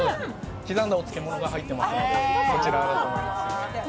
刻んだお漬物が入ってますので、そちらだと思います。